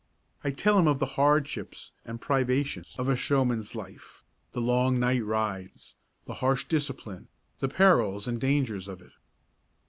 I tell him of the hardships and privations of a showman's life, the long night rides, the harsh discipline, the perils and dangers of it.